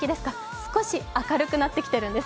少し明るくなっているんです。